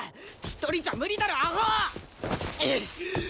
１人じゃ無理だろアホ！